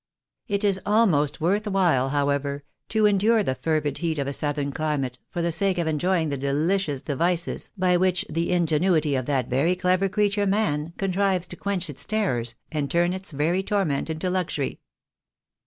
It is almost worth while, however, to endure the fervid heat of a southern climate, for the sake of enjoying the delicious devices by which the ingenuity of that very clever creature, man, contrives to quench its terrors, and turn its very torment into luxury.